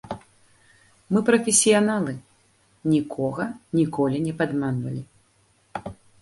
Мы прафесіяналы, нікога ніколі не падманвалі.